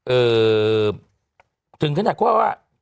เอ่อถึงขนาดก็ว่า